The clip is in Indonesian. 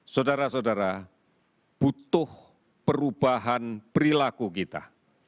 saudara saudara butuh perubahan perilaku kita